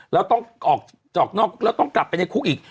แล้วต้องออกนอกแล้วต้องกลับไปในคุกอีก